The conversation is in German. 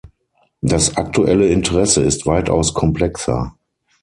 Das aktuelle Interesse ist weitaus komplexer.